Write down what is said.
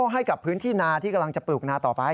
ให้กับพื้นที่นาที่กำลังจะปลูกนาต่อไป